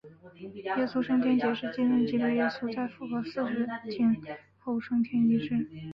耶稣升天节是纪念基督耶稣在复活四十日后升天一事。